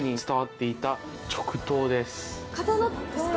刀ですか？